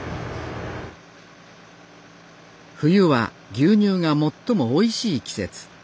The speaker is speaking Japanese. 冬は牛乳が最もおいしい季節。